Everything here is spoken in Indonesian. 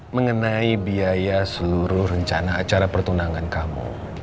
mengenai biaya seluruh rencana acara pertunangan kamu